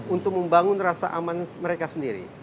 untuk membangun rasa aman mereka sendiri